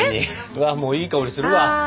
うわもういい香りするわ！